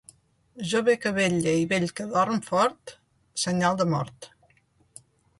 Jove que vetlla i vell que dorm fort, senyal de mort.